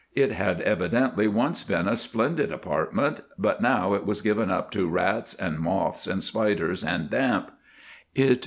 It had evidently once been a splendid apartment, but now it was given up to rats and moths and spiders and damp.